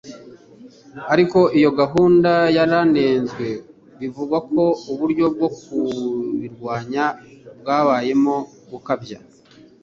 ariko iyo gahunda yaranenzwe bivugwa ko uburyo bwo kubirwanya bwabayemo gukabya